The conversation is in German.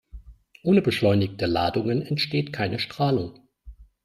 Ohne beschleunigte Ladungen entsteht keine Strahlung.